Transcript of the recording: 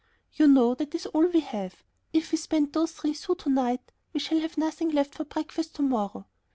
"You know that is all we have. If we spend those three sous to night, we shall have nothing left for breakfast to morrow.